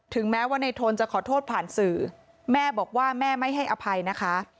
แม้ว่าในทนจะขอโทษผ่านสื่อแม่บอกว่าแม่ไม่ให้อภัยนะคะ